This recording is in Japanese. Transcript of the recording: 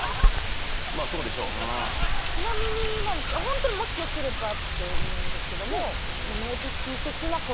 ちなみになんですけどホントにもしよければでいいんですけども。お値引き的な事？